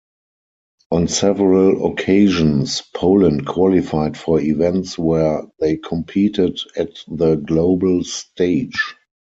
On several occasions, Poland qualified for events where they competed at the global stage.